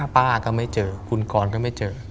ป้าก็ไม่เจอคุณกรก็ไม่เจอ